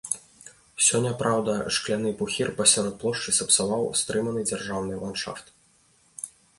Сёння, праўда, шкляны пухір пасярод плошчы сапсаваў стрыманы дзяржаўны ландшафт.